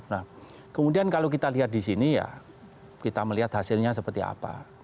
nah kemudian kalau kita lihat di sini ya kita melihat hasilnya seperti apa